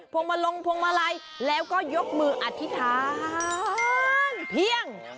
วงมาลงพวงมาลัยแล้วก็ยกมืออธิษฐานเพียง